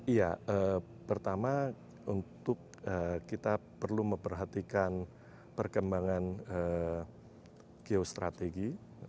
iya pertama untuk kita perlu memperhatikan perkembangan geostrategi